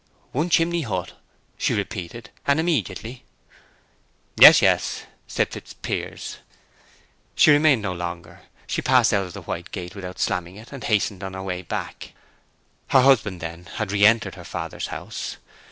"One chimney Hut," she repeated. "And—immediately!" "Yes, yes," said Fitzpiers. Grace remained no longer. She passed out of the white gate without slamming it, and hastened on her way back. Her husband, then, had re entered her father's house.